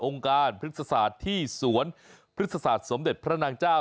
องค์การพฤษฎาศาสตร์ที่สวนพฤษฎาศาสตร์สมเด็จพระนางจ้า